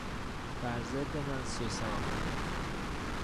بر ضد من سوسه آمدند.